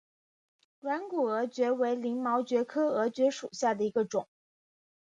软骨耳蕨为鳞毛蕨科耳蕨属下的一个种。